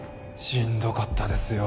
しんどかったですよ